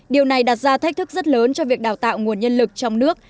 điều này đặt ra thách thức rất lớn cho việc đào tạo nguồn nhân lực trong nước